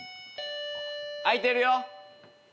開いてるよ。